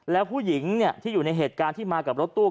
แล้วผู้หญิงที่อยู่ในเหตุการณ์ที่มากับรถตู้